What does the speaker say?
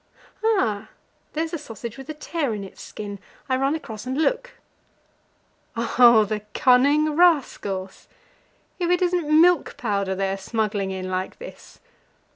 Ah! there's a sausage with a tear in its skin; I run across and look at it. Oh, the cunning rascals! if it isn't milk powder they are smuggling in like this!